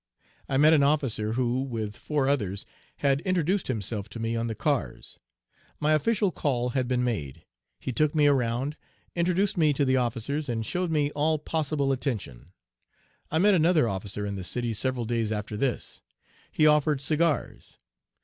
I met an officer, who, with four others, had introduced himself to me on the cars. My official call had been made. He took me around, introduced me to the officers, and showed me all possible attention. I met another officer in the city several days after this. He offered cigars.